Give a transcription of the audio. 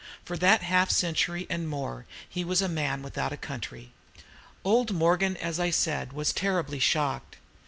For that half century and more he was a man without a country. Old Morgan, as I said, was terribly shocked.